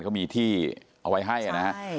เขามีที่เอาไว้ให้